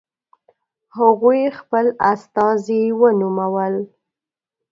هغوی خپل استازي ونومول.